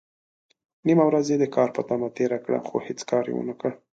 نيمه ورځ يې د کار په تمه تېره کړه، خو هيڅ کار يې ونکړ.